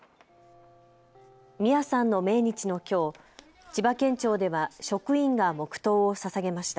心愛さんの命日のきょう、千葉県庁では職員が黙とうをささげました。